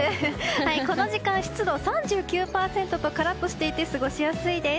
この時間、湿度３９％とカラッとしていて過ごしやすいです。